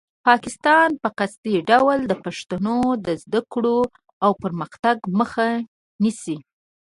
پاکستان په قصدي ډول د پښتنو د زده کړو او پرمختګ مخه نیسي.